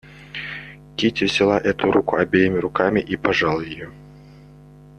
Кити взяла эту руку обеими руками и пожала ее.